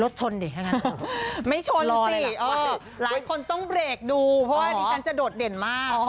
รถชนดิไม่ชนสิหลายคนต้องเบรกดูเพราะว่าอันนี้แฟชั่นจะโดดเด่นมาก